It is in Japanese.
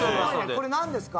これ何ですか？